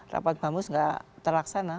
rapat bamus nggak terlaksana